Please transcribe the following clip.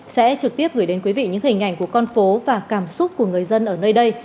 sẽ trực tiếp gửi đến quý vị những hình ảnh của con phố và cảm xúc của người dân ở nơi đây